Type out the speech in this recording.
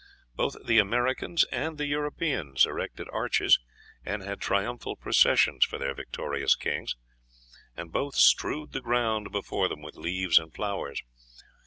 Both the Americans and Europeans erected arches, and had triumphal processions for their victorious kings, and both strewed the ground before them with leaves and flowers.